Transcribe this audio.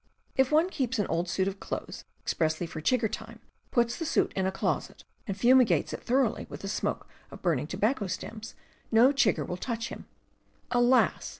If one keeps an old suit of clothes expressly for chigger time, puts the suit in a closet, and fumigates it thoroughly with the smoke of burning tobacco stems, no chigger will touch him. Alas!